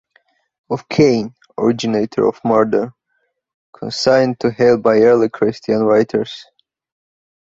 Of "Cain", originator of murder, consigned to Hell by early Christian writers.